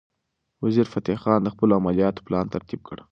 وزیرفتح خان د خپلو عملیاتو پلان ترتیب کړ.